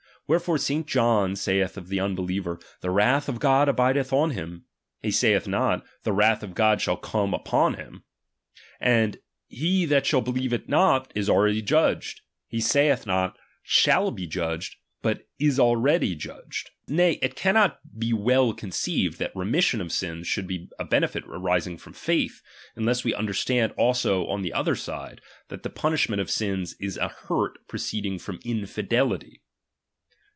Where fore St. John saith of the unbeliever, The wrath of God ahideth on him ; he saith not, The wrath of God shall come upon him. And, He that be lievcth not, is already Judged ; he saith not, shall be judged, but is already judged. Nay, it cannot be well conceived, that remission of sins should be a benefit arising from /aith, unless we understand also on the other side, that the punishment of sins is an hurt proceeding from infidelity.